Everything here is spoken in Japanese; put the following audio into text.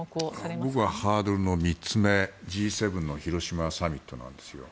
僕はハードルの３つ目Ｇ７の広島サミットなんですよ。